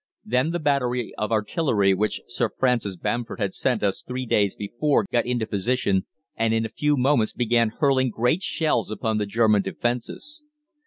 Then the battery of artillery which Sir Francis Bamford had sent us three days before got into position, and in a few moments began hurling great shells upon the German defences.